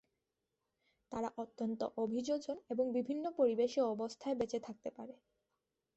তারা অত্যন্ত অভিযোজন এবং বিভিন্ন পরিবেশ ও অবস্থায় বেঁচে থাকতে পারে।